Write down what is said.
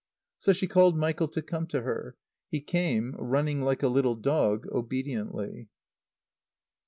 So she called Michael to come to her. He came, running like a little dog, obediently.